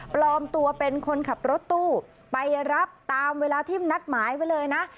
ปลอมตัวเป็นคนขับรถตู้ไปรับตามเวลาที่นัดหมายไว้เลยนะ